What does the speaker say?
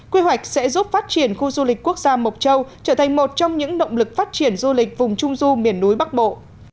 quy hoạch sẽ giúp phát triển khu du lịch quốc gia mộc châu trở thành một trong những động lực phát triển du lịch vùng trung du miền núi bắc bộ